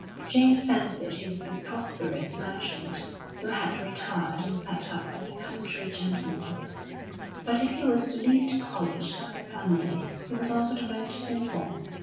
James fancied he was a prosperous merchant, who had retired and set up as a country gentleman; but if he was the least polished of the family, he was also the most simple.